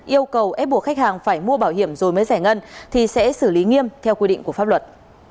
yêu cầu ép buộc khách hàng phải mua bảo hiểm rồi mới giải ngân thì sẽ xử lý nghiêm theo quy định của pháp luật